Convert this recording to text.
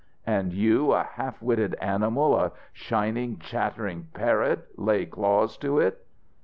And you, a half witted animal, a shining, chattering parrot, lay claws to it!"